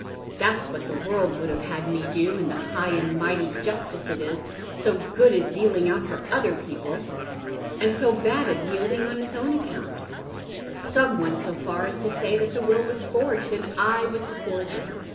That's what the world would have had me do, in the high and mighty justice it is so good at dealing out for other people, and Bo bad at yielding an its own account. Some went so far as to say that the will was forged, and I was the forger.